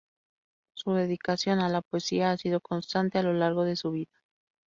Su dedicación a la poesía ha sido constante a lo largo de su vida.